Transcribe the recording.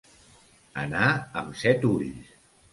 Anar amb set ulls.